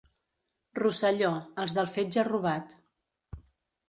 Rosselló, els del fetge robat.